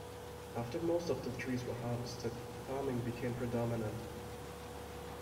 After most of the trees were harvested, farming became predominant.